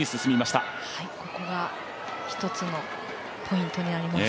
ここは一つのポイントになります。